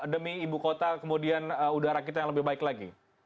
demi ibu kota kemudian udara kita yang lebih baik lagi